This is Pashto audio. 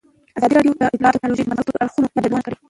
ازادي راډیو د اطلاعاتی تکنالوژي د مثبتو اړخونو یادونه کړې.